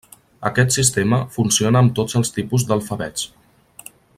Aquest sistema funciona amb tots els tipus d'alfabets.